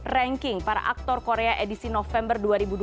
ranking para aktor korea edisi november dua ribu dua puluh